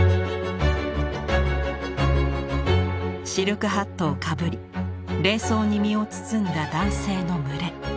シルクハットをかぶり礼装に身を包んだ男性の群れ。